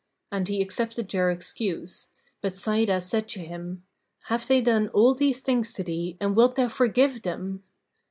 And he accepted their excuse; but Sa'idah said to him, "Have they done all these things to thee and wilt thou forgive them?"